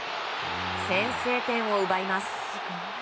先制点を奪います。